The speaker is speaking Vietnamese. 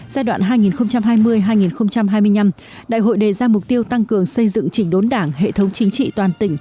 giai đoạn hai nghìn hai mươi hai nghìn hai mươi năm đại hội đề ra mục tiêu tăng cường xây dựng chỉnh đốn đảng hệ thống chính trị toàn tỉnh